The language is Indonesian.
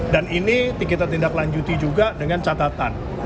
dan ini kita tindak lanjuti juga dengan catatan